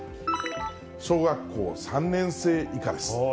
小学校３年生以下です。